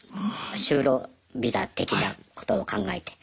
就労ビザ的なことを考えて。